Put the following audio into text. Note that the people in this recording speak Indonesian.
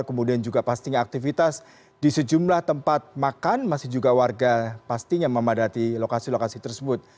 kemudian juga pastinya aktivitas di sejumlah tempat makan masih juga warga pastinya memadati lokasi lokasi tersebut